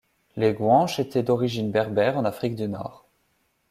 Les Guanches étaient d'origine berbère en Afrique du Nord.